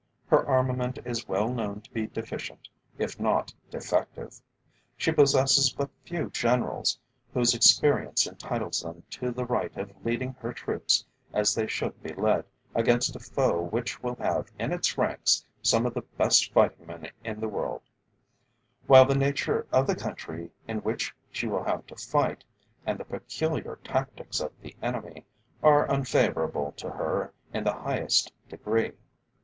Her armament is well known to be deficient, if not defective; she possesses but few Generals whose experience entitles them to the right of leading her troops as they should be led against a foe which will have in its ranks some of the best fighting men in the world; while the nature of the country in which she will have to fight, and the peculiar tactics of the enemy, are unfavourable to her in the highest degree.